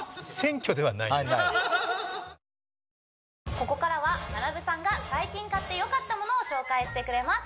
ここからはまなぶさんが最近買ってよかったものを紹介してくれます